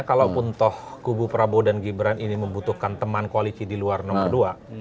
kalaupun toh kubu prabowo dan gibran ini membutuhkan teman koalisi di luar nomor dua